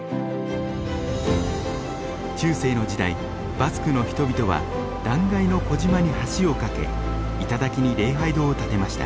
バスクの人々は断崖の小島に橋を架け頂に礼拝堂を建てました。